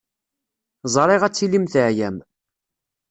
Ẓriɣ ad tilim teɛyam.